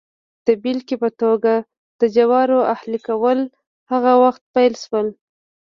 د بېلګې په توګه د جوارو اهلي کول هغه وخت پیل شول